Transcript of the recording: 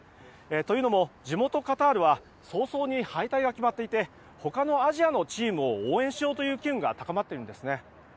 というのも地元カタールは早々に敗退が決まっていて他のアジアのチームを応援しようという機運が高まっているんですね。